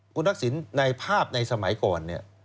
คุณทักษิณในภาพในสมัยก่อนเนี่ย